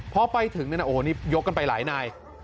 พอไปถึงเนี่ยนะโอ้โหนี่ยกกันไปหลายนาย